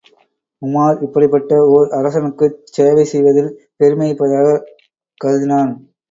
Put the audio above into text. உமார், இப்படிப்பட்ட ஓர் அரசனுக்குச் சேவை செய்வதில் பெருமை இருப்பதாகக் கருதினான்.